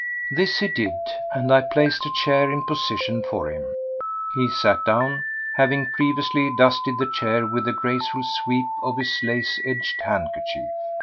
This he did, and I placed a chair in position for him. He sat down, having previously dusted the chair with a graceful sweep of his lace edged handkerchief.